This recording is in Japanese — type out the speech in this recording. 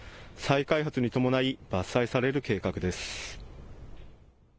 再開発に伴い伐採される計画です。